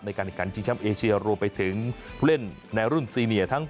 ในการแข่งขันชิงแชมป์เอเชียรวมไปถึงผู้เล่นในรุ่นซีเนียทั้ง